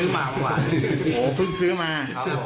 โหเพิ่งซื้อมา